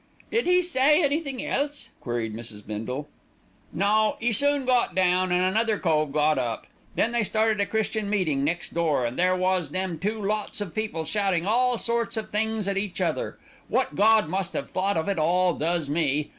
"Did he say anything else?" queried Mrs. Bindle. "No; 'e soon got down, an' another cove got up. Then they started a Christian meeting next door, and there was them two lots of people shouting all sorts of things at each other. Wot Gawd must 'ave thought of it all does me.